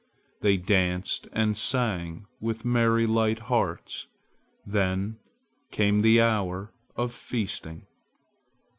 They danced and sang with merry light hearts. Then came the hour of feasting.